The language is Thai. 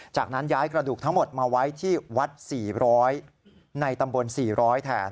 จากนั้นย้ายกระดูกทั้งหมดมาไว้ที่วัด๔๐๐ในตำบล๔๐๐แทน